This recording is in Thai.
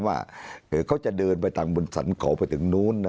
เธอเขาจะเดินไปตามบนสนโขเลยนะ